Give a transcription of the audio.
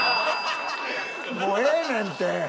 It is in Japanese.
もうええねんって！